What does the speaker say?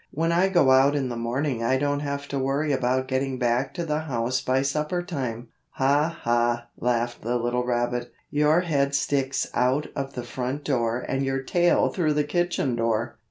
"When I go out in the morning I don't have to worry about getting back to the house by supper time." "Ha, ha!" laughed the little rabbit. "Your head sticks out of the front door and your tail through the kitchen door!"